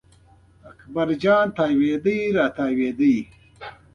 اکبر جان تاوېده را تاوېده.